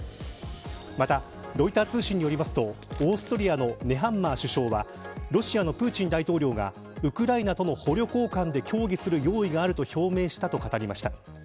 また、ロイター通信によりますとオーストリアのネハンマー首相はロシアのプーチン大統領がウクライナとの捕虜交換で協議する用意があると表明したと語りました。